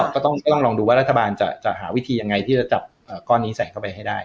ก็ต้องลองดูว่ารัฐบาลจะหาวิธียังไงที่จะจับก้อนนี้ใส่เข้าไปให้ได้